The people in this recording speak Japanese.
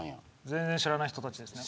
全然知らない人です。